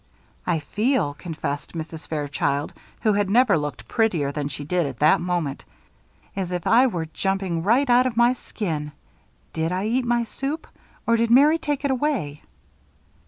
"I feel," confessed Mrs. Fairchild, who had never looked prettier than she did at that moment, "as if I were jumping right out of my skin. Did I eat my soup! Or did Mary take it away?"